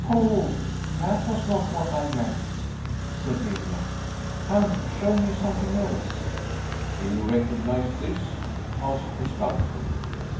"Poh! that was not what I meant," said Miriam. "Come, show me something else." "Do you recognize this?" asked the sculptor.